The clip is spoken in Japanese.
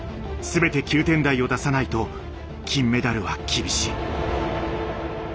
全て９点台を出さないと金メダルは厳しい。